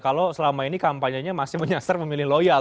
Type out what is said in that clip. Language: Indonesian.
kalau selama ini kampanyenya masih menyasar memilih loyal